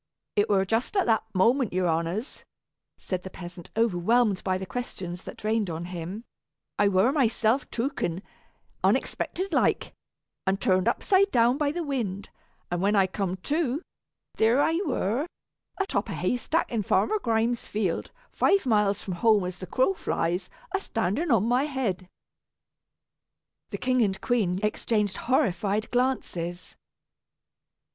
"It were just at that moment, your honors," said the peasant, overwhelmed by the questions that rained on him, "I were myself tooken, unexpected like, and turned upside down by the wind; and when I cum to, there I were atop a haystack in Farmer Grimes' field, five miles from home as the crow flies, a standing on my head." The king and queen exchanged horrified glances.